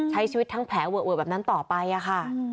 ใช้ชีวิตทั้งแผลเวอะวดแบบนั้นต่อไปอะค่ะ